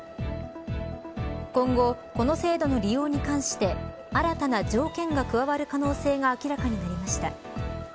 今後、この制度の利用に関して新たな条件が加わる可能性が明らかになりました。